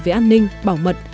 về an ninh bảo mật